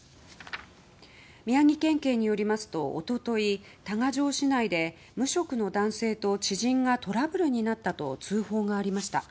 宮城県警によりますと一昨日、多賀城市内で無職の男性と知人がトラブルになったと通報がありました。